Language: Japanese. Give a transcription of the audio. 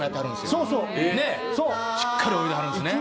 しっかり泳いではるんすね。